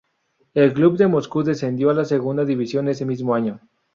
El club de Moscú descendió a la segunda división ese mismo año.